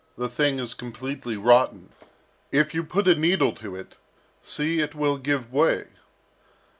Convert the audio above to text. The thing is completely rotten. If you put a needle to it see, it will give way."